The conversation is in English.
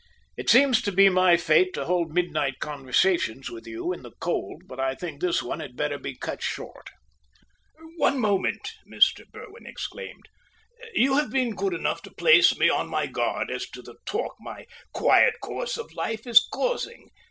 "It seems to be my fate to hold midnight conversations with you in the cold, but I think this one had better be cut short." "One moment," Mr. Berwin exclaimed. "You have been good enough to place me on my guard as to the talk my quiet course of life is causing.